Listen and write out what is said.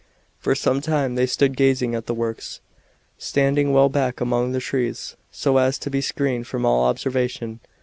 For some time they stood gazing at the works, standing well back among the trees, so as to be screened from all observation.